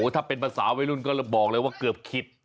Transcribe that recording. ถ้าเป็นภาษาวัยรุ่นก็บอกเลยว่าเกือบคิด